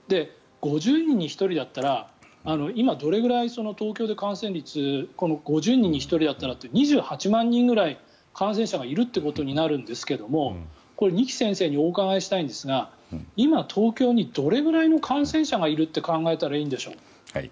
５０人に１人だったら今、どれぐらい東京で感染率５０人に１人だったら２８万人ぐらい感染者がいるということになるんですけどこれ、二木先生にお伺いしたいんですが今、東京にどれぐらいの感染者がいるって考えたらいいんでしょう？